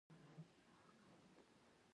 هلته د آرچیبالډ یا کلیرنس په نوم ډیرې لوحې نه وې